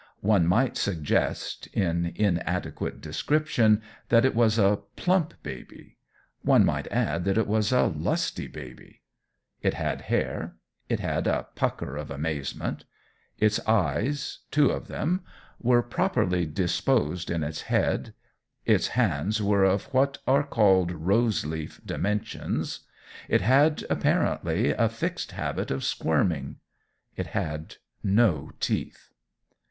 One might suggest, in inadequate description, that it was a plump baby; one might add that it was a lusty baby. It had hair; it had a pucker of amazement; its eyes, two of them, were properly disposed in its head; its hands were of what are called rose leaf dimensions; it had, apparently, a fixed habit of squirming; it had no teeth.